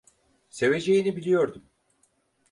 Seveceğini biliyordum.